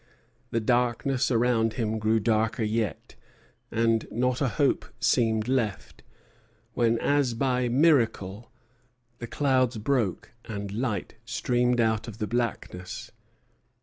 The darkness around him grew darker yet, and not a hope seemed left; when as by miracle the clouds broke, and light streamed out of the blackness.